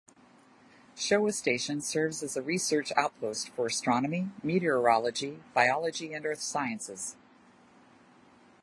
Showa Station serves as a research outpost for astronomy, meteorology, biology and earth sciences.